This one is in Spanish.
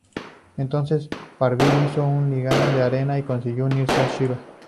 Entonces, Parvati hizo un lingam de arena y consiguió unirse a Shiva.